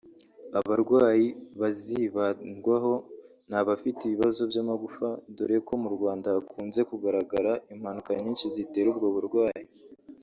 Abarwayi bazibandwaho ni abafite ibibazo by’amagufa dore ko mu Rwanda hakunze kugaragara impanuka nyinshi zitera ubwo burwayi